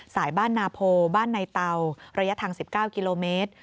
สายบ้านนาโพบ้านในเตาระยะทาง๑๙กิโลเมตร